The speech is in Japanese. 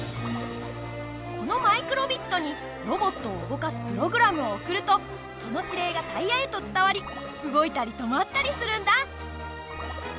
このマイクロビットにロボットを動かすプログラムを送るとその指令がタイヤへと伝わり動いたり止まったりするんだ。